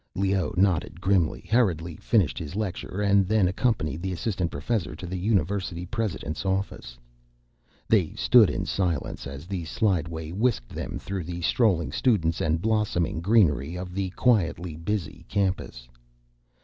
Leoh nodded grimly, hurriedly finished his lecture, and then accompanied the assistant professor to the University president's office. They stood in silence as the slideway whisked them through the strolling students and blossoming greenery of the quietly busy campus.